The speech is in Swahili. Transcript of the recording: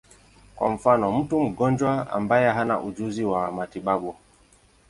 Kwa mfano, mtu mgonjwa ambaye hana ujuzi wa matibabu.